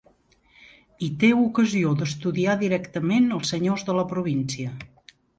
Hi té ocasió d'estudiar directament els senyors de la província.